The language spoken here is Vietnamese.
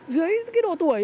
dưới độ tuổi